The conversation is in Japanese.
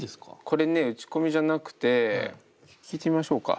これね打ち込みじゃなくて聴いてみましょうか。